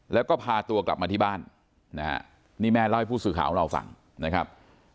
แล้วก็พาตัวกลับมาที่บ้านนะฮะนี่แม่เล่าให้ผู้สื่อข่าวของเราฟังนะครับ